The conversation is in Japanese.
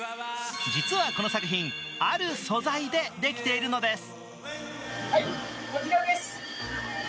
実はこの作品、ある素材でできているのです。